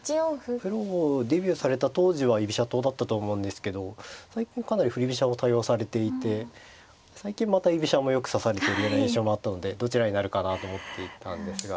デビューされた当時は居飛車党だったと思うんですけど最近かなり振り飛車も多用されていて最近また居飛車もよく指されているような印象もあったのでどちらになるかなと思っていたんですが。